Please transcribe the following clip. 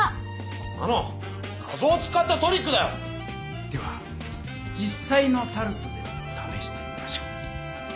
こんなの画ぞうを使ったトリックだよ！では実さいのタルトでためしてみましょう。